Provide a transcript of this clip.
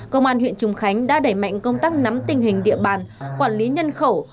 công an huyện trùng khánh đã đẩy mạnh công tác nắm tình hình địa bàn quản lý nhân khẩu